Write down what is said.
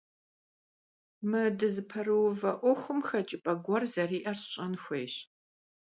Мы дызыпэрыувэ Ӏуэхум хэкӀыпӀэ гуэр зэриӀэр сщӀэн хуейщ.